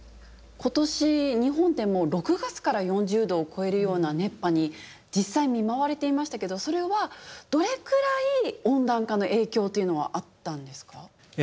今年日本でも６月から４０℃を超えるような熱波に実際見舞われていましたけどそれはどれくらい温暖化の影響というのはあったんですか？